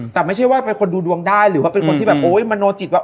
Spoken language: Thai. แต่ไม่ใช่ว่าเป็นคนดูดวงได้หรือว่าเป็นคนที่แบบโอ๊ยมโนจิตว่า